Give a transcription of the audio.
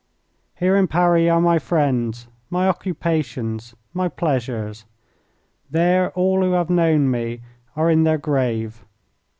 Here in Paris are my friends, my occupations, my pleasures. There all who have known me are in their grave.